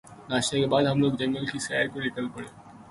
ناشتے کے بعد ہم لوگ جنگل کی سیر کو نکل پڑے